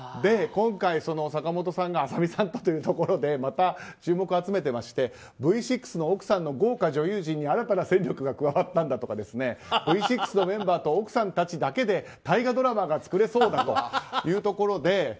今回、坂本さんが朝海さんとというところでまた注目を集めていましてＶ６の奥さんの豪華女優陣に新たな戦力が加わったんだとかＶ６のメンバーと奥さんたちだけで、大河ドラマが作れそうだというところで。